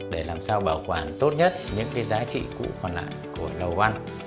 để làm sao bảo quản tốt nhất những cái giá trị cũ còn lại của lầu văn